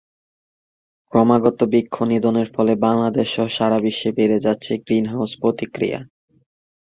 ক্রমাগত বৃক্ষ নিধনের ফলে বাংলাদেশসহ সারা বিশ্বে বেড়ে যাচ্ছে গ্রীনহাউস প্রতিক্রিয়া।